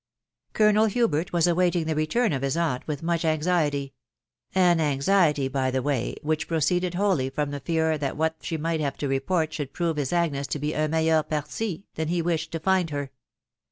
Colonel Hubert was awaiting the return of ms Mint with much anxiety; an anxiety, by the way, which proceeded wholly from die fear that what she might have to report should prove bis Agnes to be tro metUmer paryti than he wished to find her.